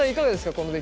この出来は。